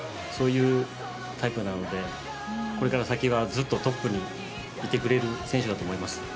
そういうタイプなのでこれから先はずっとトップにいてくれる選手だと思います。